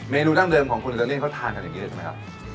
เนนูดั้งเดิมของคนอิตาเลียนเขาทานกันอย่างนี้ใช่ไหมครับ